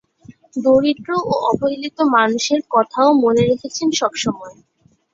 দরিদ্র ও অবহেলিত মানুষের কথাও মনে রেখেছেন সবসময়।